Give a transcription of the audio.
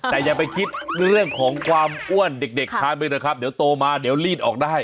แต่อย่าไปคิดเรื่องของความอ้วนเด็กทานไปนะครับเดี๋ยวโตมาเดี๋ยวลีดออกได้